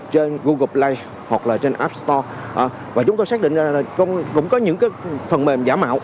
trên google play hoặc là trên app store và chúng tôi xác định là cũng có những phần mềm giả mạo